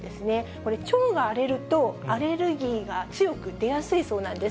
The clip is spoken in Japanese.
これ、腸が荒れるとアレルギーが強く出やすいそうなんです。